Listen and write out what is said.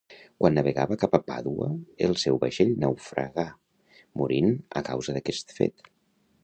Quan navegava cap a Pàdua el seu vaixell naufragà morint a causa d'aquest fet.